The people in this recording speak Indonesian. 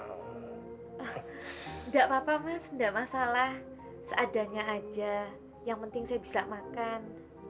tidak apa apa mas enggak masalah seadanya aja yang penting saya bisa makan